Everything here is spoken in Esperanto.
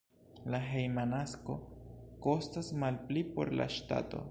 La hejma nasko kostas malpli por la ŝtato.